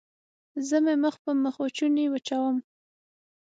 زه مې مخ په مخوچوني وچوم.